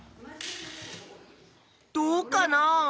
どうかなあ？